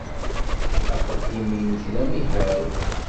Axeddim-nnek d amihaw?